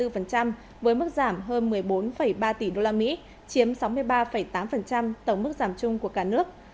với mức giảm hơn một mươi bốn ba tỷ usd chiếm sáu mươi ba tám tổng mức giảm chung của cả nước